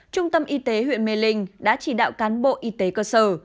trung tâm y tế huyện mê linh đã chỉ đạo cán bộ y tế cơ sở